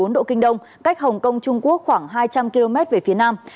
một trăm một mươi bốn độ kinh đông cách hồng kông trung quốc khoảng hai trăm linh km về phía nam